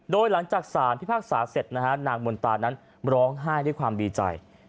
โดยหลังจากสารพิพากษาเสร็จนะฮะนางมนตานั้นร้องไห้ด้วยความดีใจ